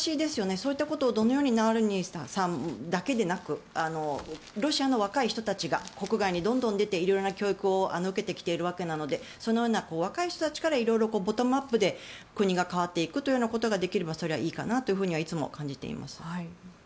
そのようなことをナワリヌイさんだけではなくロシアの若い人たちが国外にどんどん出て色々な教育を受けてきているわけなのでそのような若い人たちからボトムアップで国が変わっていくということができればそれはいいかなといつも感じています。